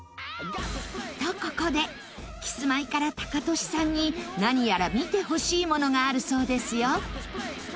と、ここでキスマイからタカトシさんに何やら見てほしいものがあるそうですよ